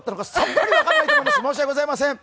申し訳ございません。